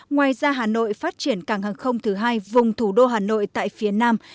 ngoài ra hà nội phát triển cảng hàng không thứ hai vùng thủ đô hà nội tại phía nam